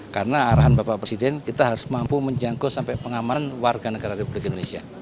karena arahan bapak presiden kita harus mampu menjangkau sampai pengamanan warga negara republik indonesia